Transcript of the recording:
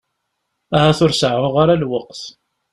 Ahat ur seεεuɣ ara lweqt.